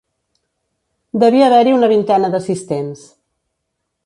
Devia haver-hi una vintena d'assistents.